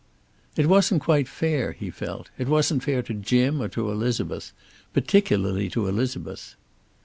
It wasn't quite fair, he felt. It wasn't fair to Jim or to Elizabeth. Particularly to Elizabeth.